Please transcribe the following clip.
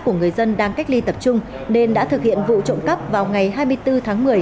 của người dân đang cách ly tập trung nên đã thực hiện vụ trộm cắp vào ngày hai mươi bốn tháng một mươi